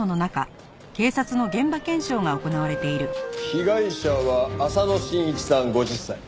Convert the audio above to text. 被害者は浅野慎一さん５０歳。